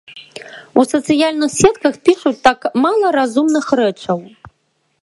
У сацыяльных сетках пішуць так мала разумных рэчаў.